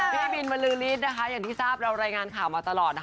พี่มิลมาลีลิซมรายงานข่าวมาตลอด